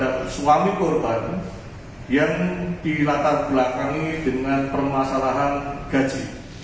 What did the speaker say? dan suami korban yang dilatar belakangi dengan permasalahan gaji